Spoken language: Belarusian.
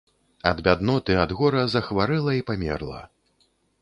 Ад бядноты, ад гора захварэла і памерла.